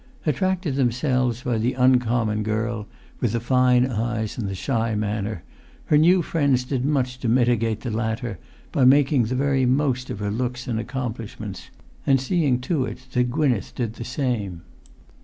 Attracted themselves by the uncommon girl with the fine eyes and the shy manner, her new friends did much to mitigate the latter by making the very most of her looks and accomplishments, and seeing to it that Gwynneth did the same.